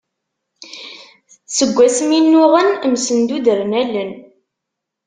Seg asmi nnuɣen, msendudren allen.